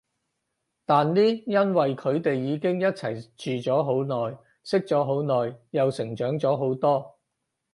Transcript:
但呢因為佢哋已經一齊住咗好耐，識咗好耐，又成長咗好多